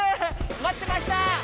まってました！